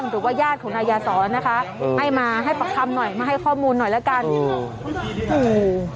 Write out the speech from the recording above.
ถูกนายยาสอนนะคะเออให้มาให้ปรับคำหน่อยมาให้ข้อมูลหน่อยละกันอู้